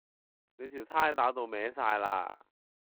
你條呔打到歪哂喇